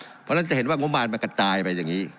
เพราะฉะนั้นจะเห็นว่างบมารมันกระจายไปอย่างนี้